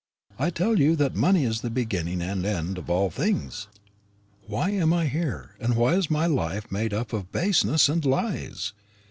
I tell you that money is the beginning and end of all things. Why am I here, and why is my life made up of baseness and lies?